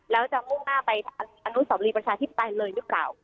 แล้วจะมุ่งหน้าไปอนุสาวรีประชาธิปไตยเลยหรือเปล่า